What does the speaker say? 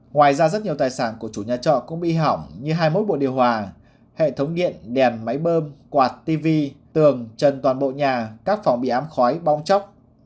ngoài ra rất nhiều tài sản của chủ nhà trọ cũng bị hỏng như hai mươi một bộ điều hòa hệ thống điện đèn máy bơm quạt tv tường trần toàn bộ nhà các phòng bị ám khói bong chóc